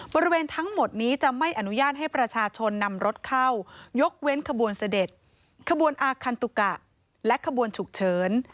บริเวณทั้งหมดนี้จะไม่อนุญาตให้ประชาชนนำรถเข้ายกเว้นขบวนเสด็จขบวนอาคันตุกะและขบวนฉุกเฉิน